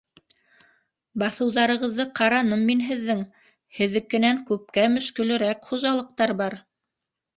Баҫыуҙарығыҙҙы ҡараным мин һеҙҙең... һеҙҙекенән күпкә мөшкәлерәк хужалыҡтар бар...